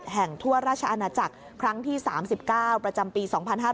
๑๑๑แห่งทั่วราชอาณาจักรครั้งที่๓๙ประจำปี๒๕๖๓